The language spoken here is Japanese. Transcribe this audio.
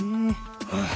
ああ。